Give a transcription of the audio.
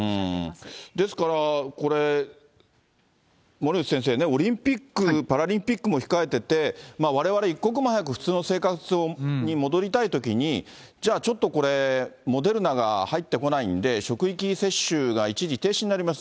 ですから、これ、森内先生ね、オリンピック・パラリンピックも控えてて、われわれ一刻も早く、普通の生活に戻りたいときに、じゃあ、ちょっとこれ、モデルナが入ってこないので、職域接種が一時停止になります。